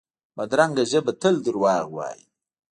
بدرنګه ژبه تل دروغ وايي